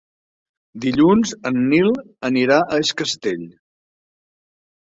Dilluns en Nil anirà a Es Castell.